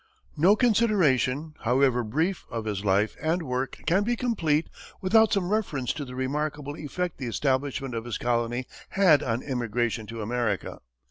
No consideration, however brief, of his life and work can be complete without some reference to the remarkable effect the establishment of his colony had on emigration to America.